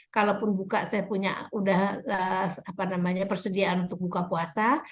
kalaupun buka saya punya sudah persediaan untuk buka puasa